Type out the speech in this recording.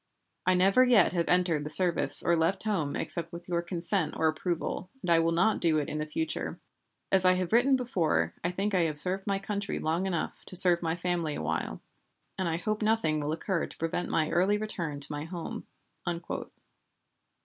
I never yet have entered the service or left home except with your consent or approval, and I will not do it in the future. As I have written heretofore, I think I have served my country long enough to serve my family awhile; and I hope nothing will occur to prevent my early return to my home."